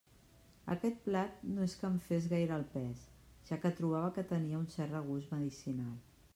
Aquest plat no és que em fes gaire el pes, ja que trobava que tenia un cert regust medicinal.